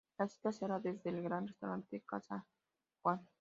La cita sera desde el gran restaurante Casa Juan